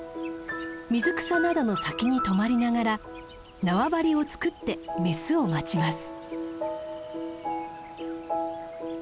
水草などの先に止まりながら縄張りを作ってメスを待ちます。